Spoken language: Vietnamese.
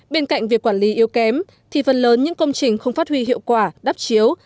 bên cạnh việc quản lý yếu kém thì phần lớn những công trình không phát huy hiệu quả đắp chiếu